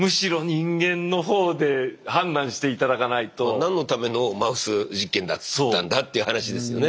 何のためのマウス実験だったんだという話ですよね。